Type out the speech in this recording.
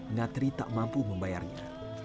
ngatri tak mampu membayarnya